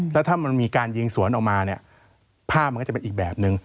แล้วถ้ามันมีการยิงสวนออกมาเนี่ยภาพมันก็จะเป็นอีกแบบนึง